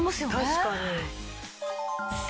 確かに。